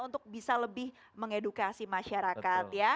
untuk bisa lebih mengedukasi masyarakat ya